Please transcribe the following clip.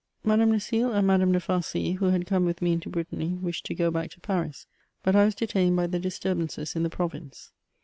Madame Lucile and Madame de Farcy, who had come with me into Brittany, wished to go back to Paris, but I was detained by the disturbances in the province.